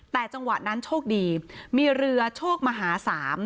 แต่จังหวะนั้นโชคดีมีเรือโชคมหาสาม